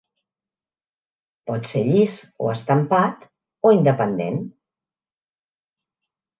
Pot ser llis o estampat, o independent.